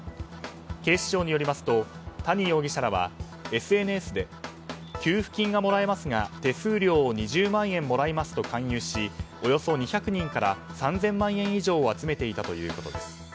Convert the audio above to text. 警視庁によりますと谷容疑者らはＳＮＳで給付金がもらえますが手数料を２０万円もらいますと勧誘しおよそ２００人から３０００万円以上を集めていたということです。